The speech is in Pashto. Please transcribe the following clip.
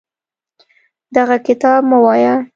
دغه کتاب مه وایه.